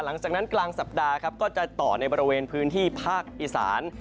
หลังจากนั้นกลางสัปดาห์ครับก็จะต่อในบริเวณพื้นที่ภาคอีสาน